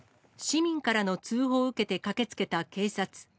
市民からの通報を受けて駆けつけた警察。